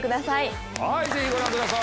ぜひご覧ください。